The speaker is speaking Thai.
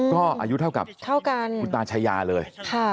ก็อายุเท่ากับคุณตาชัยาเลย